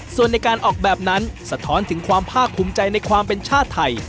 ส่วนในการออกแบบนั้นสะท้อนถึงความภาคภูมิใจในความเป็นชาติไทย